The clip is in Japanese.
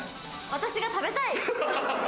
私が食べたい！